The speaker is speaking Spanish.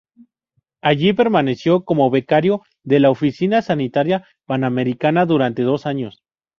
Allí permaneció como becario de la Oficina Sanitaria Panamericana durante dos años.